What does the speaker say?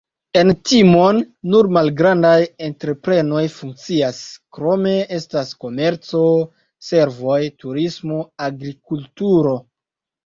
En Timon nur malgrandaj entreprenoj funkcias, krome estas komerco, servoj, turismo, agrikulturo.